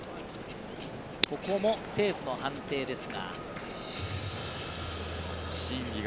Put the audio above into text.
ここもセーフの判定ですが。